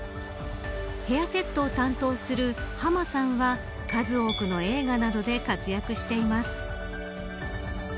ヘアセットを担当するＨＡＭＡさんは数多くの映画などで活躍しています。